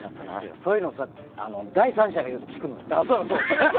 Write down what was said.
そういうの第三者から聞くのよ。